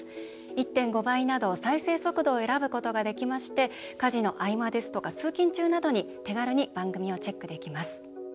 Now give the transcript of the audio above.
１．５倍など再生速度を選ぶことができまして家事の合間ですとか通勤中などに手軽に番組をチェックできます。